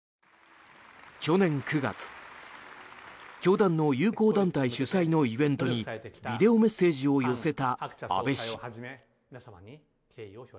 去年９月教団の友好団体主催のイベントにビデオメッセージを寄せた安倍氏。